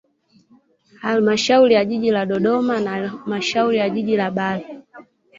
Halamashauri ya jiji la Dodoma na halmashauri ya jiji la Bahi